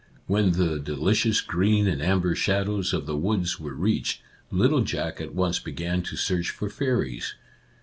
When the delicious green and amber shadows of the woods were reached, little Jack at once began to search for fairies.